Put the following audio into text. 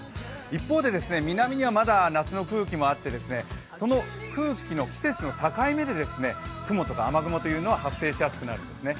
一方で、南にはまだ夏の空気もあってその空気の季節の境目で雲とか雨雲というのは発生しやすくなるんですね。